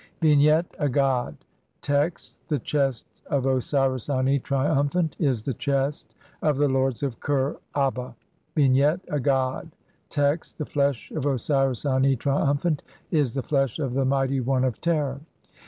Vignette : A god. Text : (i3) The chest of Osiris Ani, triumphant, is the chest of the lords of Kher aba. Vignette : A god. Text : (14) The flesh of Osiris Ani, triumphant, is the flesh of the Mighty One of Terror.